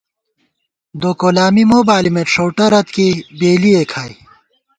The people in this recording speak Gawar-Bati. دوکولامی مو بالِمېت ݭؤٹہ رتکېئی بېلِئےکھائی